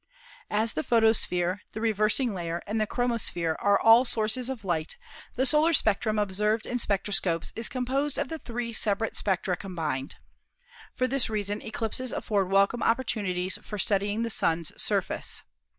THE SUN 97 As the photosphere, the reversing layer and the chromo sphere are all sources of light, the solar spectrum observed in spectroscopes is composed of the three separate spectra combined. For this reason eclipses afford welcome oppor tunities for studying the Sun's surface.